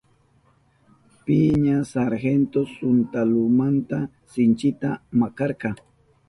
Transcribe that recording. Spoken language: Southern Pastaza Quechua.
Piña sargento suntalukunata sinchita makarka.